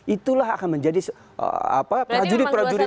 itulah akan menjadi prajudik prajudik